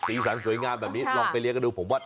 สารสวยงามแบบนี้ลองไปเลี้ยกันดูผมว่า